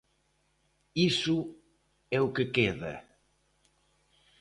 Iso é o que queda.